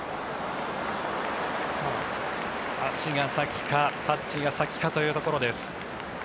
足が先かタッチが先かというところです。